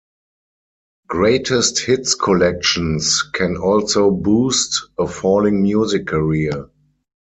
Greatest hits collections can also boost a falling music career.